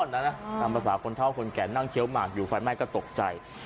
ตามภาษาคนเท่าคนแก่นั่งเคี้ยวหมากอยู่ไฟไหม้ก็ตกใจ